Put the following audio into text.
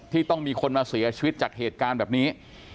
ที่ต้องมีคนมาเสียชีวิตจากเหตุการณ์แบบนี้